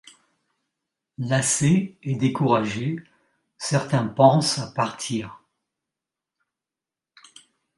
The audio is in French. Lassés et découragés, certains pensent à partir.